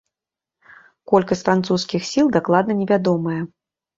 Колькасць французскіх сіл дакладна невядомая.